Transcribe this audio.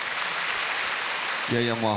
いやいやまあ